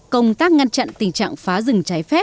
công tác ngăn chặn tình trạng phá rừng